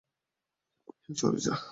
হেই, সরে যা!